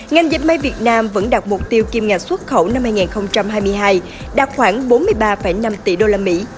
ngành dịch may việt nam vẫn đạt mục tiêu kim ngạch xuất khẩu năm hai nghìn hai mươi hai đạt khoảng bốn mươi ba năm tỷ đô la mỹ